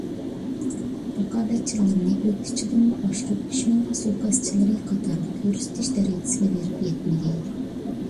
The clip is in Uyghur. رىقابەتچىلىرىنى ئۆكتىچىدىنمۇ ئاشۇرۇپ «دۈشمەننىڭ سۇيىقەستچىلىرى» قاتارىدا كۆرسىتىش دەرىجىسىگە بېرىپ يەتمىگەي.